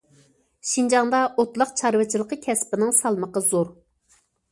شىنجاڭدا ئوتلاق چارۋىچىلىقى كەسپىنىڭ سالمىقى زور.